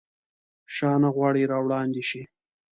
شاه نه غواړي راوړاندي شي.